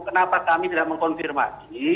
kenapa kami tidak mengkonfirmasi